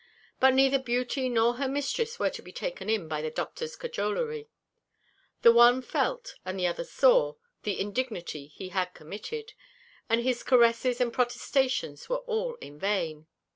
But neither Beauty nor her mistress were to be taken in by the Doctor's cajolerie. The one felt, and the other saw the indignity he had committed; and his caresses and protestations were all in vain.